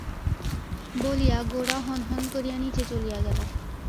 বলিয়া গোরা হন হন করিয়া নীচে চলিয়া গেল।